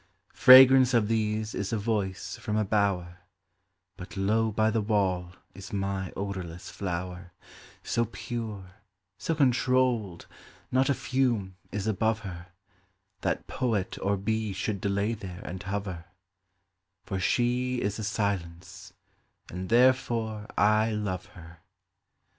Fragrance of these is a voice in a bower: But low by the wall is my odorless flower, So pure, so controlled, not a fume is above her, That poet or bee should delay there and hover; For she is a silence, and therefore I love her.